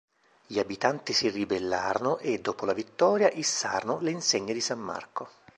Gli abitanti si ribellarono e, dopo la vittoria, issarono le insegne di San Marco.